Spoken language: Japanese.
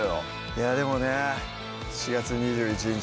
いやでもね７月２１日